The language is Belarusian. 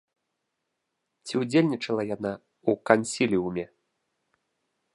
Ці ўдзельнічала яна ў кансіліуме?